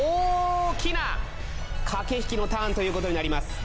大きなかけひきのターンということになります。